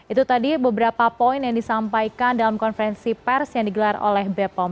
itu tadi beberapa poin yang disampaikan dalam konferensi pers yang digelar oleh bepom